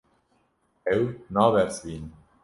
Ew nabersivînin.